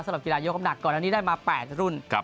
สำหรับกีฬายกน้ำหนักก่อนอันนี้ได้มา๘รุ่น